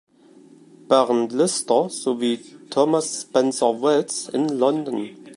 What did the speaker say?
Baron Lister sowie Thomas Spencer Wells in London.